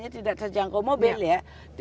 tidak terjangkau mobil ya